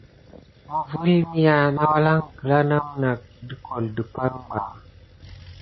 Məvel miha nayakela name nat de kole dipay ɓa.